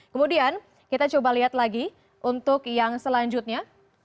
kemudian kita coba lihat lagi untuk yang selanjutnya